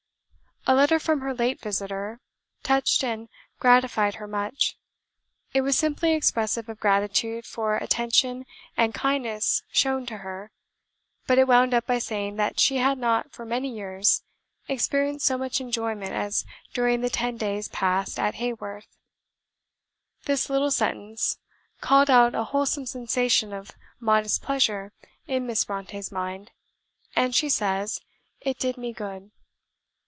A letter from her late visitor touched and gratified her much; it was simply expressive of gratitude for attention and kindness shown to her, but it wound up by saying that she had not for many years experienced so much enjoyment as during the ten days passed at Haworth. This little sentence called out a wholesome sensation of modest pleasure in Miss Brontë's mind; and she says, "it did me good."